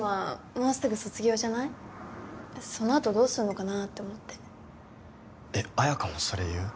もうすぐ卒業じゃないそのあとどうするのかなって思ってえっ綾香もそれ言う？